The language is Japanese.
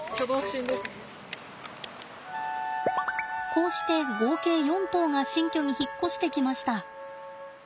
こうして合計４頭が新居に引っ越してきました。